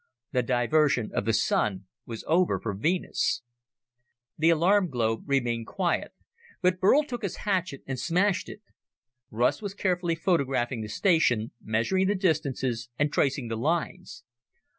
The diversion of the Sun was over for Venus. The alarm globe remained quiet, but Burl took his hatchet and smashed it. Russ was carefully photographing the station, measuring the distances, and tracing the lines.